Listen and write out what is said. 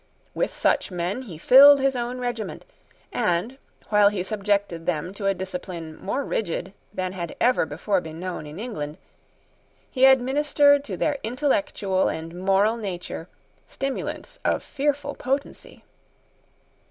With such men he filled his own regiment, and, while he subjected them to a discipline more rigid than had ever before been known in England, he administered to their intellectual and moral nature stimulants of fearful potency.